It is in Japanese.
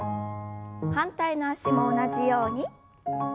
反対の脚も同じように。